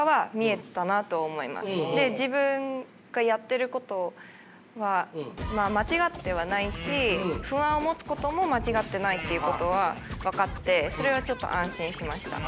自分がやってることは間違ってはないし不安を持つことも間違ってないということは分かってそれはちょっと安心しました。